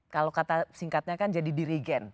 kalau kata singkatnya kan jadi dirigen